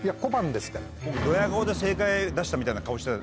正解出したみたいな顔してた。